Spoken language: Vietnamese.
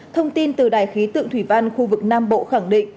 thông tin từ đài khí tượng thủy văn khu vực nam bộ khẳng định